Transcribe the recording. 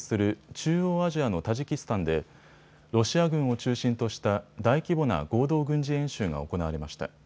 中央アジアのタジキスタンでロシア軍を中心とした大規模な合同軍事演習が行われました。